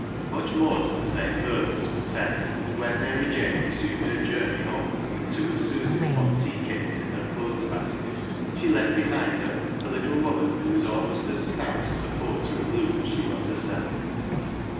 Much more to the same purpose was said, and when Mary Jane resumed her journey home, with two of Susy's hot tea cakes in her clothes . LEAH'S LOVER 79 basket, she left behind her a little woman who was almost as stout a supporter of Luke as she was herself.